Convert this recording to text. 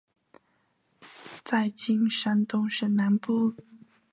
在今山东省南部。